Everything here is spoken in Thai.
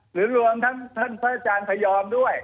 หรือรวมทั้งท่านพระอาจารย์พยอมด้วย